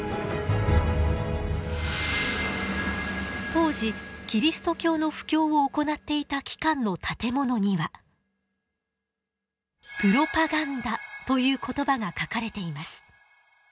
当時キリスト教の布教を行っていた機関の建物には「プロパガンダ」という言葉が書かれています。